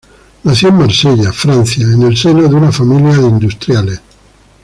Nació en Marsella, Francia, en el seno de una familia de industriales.